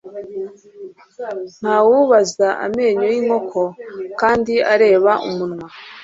ntawubaza amenyo y'inkoko kandi areba umunwa